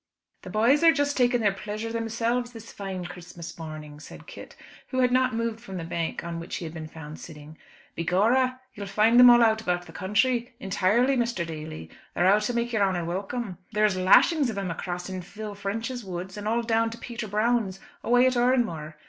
"The boys are just taking their pleasure themselves this fine Christmas morning," said Kit, who had not moved from the bank on which he had been found sitting. "Begorra, you'll find 'em all out about the counthry, intirely, Mr. Daly. They're out to make your honour welcome. There is lashings of 'em across in Phil French's woods and all down to Peter Brown's, away at Oranmore.